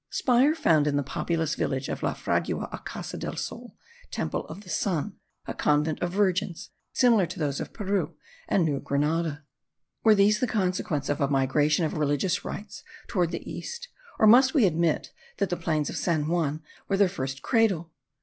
Speier found in the populous village of La Fragua a Casa del Sol (temple of the sun), and a convent of virgins similar to those of Peru and New Granada. Were these the consequence of a migration of religious rites towards the east? or must we admit that the plains of San Juan were their first cradle?